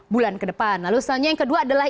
bulan ke depan lalu selanjutnya yang kedua adalah